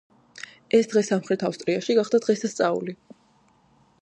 ეს დღე სამხრეთ ავსტრალიაში გახდა დღესასწაული.